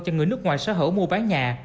cho người nước ngoài xã hội mua bán nhà